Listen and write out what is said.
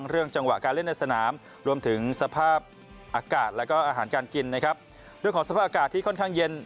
เรื่องของสภาพอากาศที่ค่อนข้างเย็น